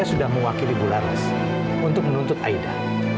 untuk menuntut aida